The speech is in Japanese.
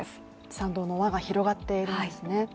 賛同の輪が広がっているんですね。